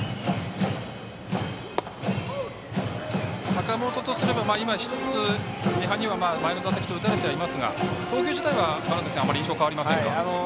坂本とすれば今、１つ、禰覇には前の打席、打たれてはいますが投球自体は印象は変わりませんか？